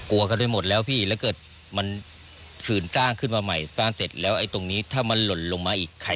เข้าไปหมดแล้วพี่แล้วเกิดมันฝืนสร้างขึ้นมาใหม่สร้างเสร็จแล้วไอ้ตรงนี้ถ้ามันหล่นลงมาอีก